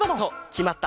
きまった！